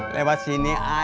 lewat sini aja